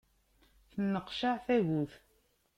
Tenqeccaɛ tagut.